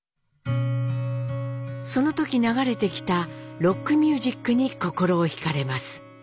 その時流れてきたロックミュージックに心をひかれます。